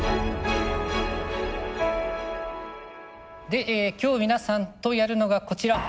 で今日皆さんとやるのがこちら。